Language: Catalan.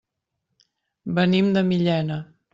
Venim de Millena.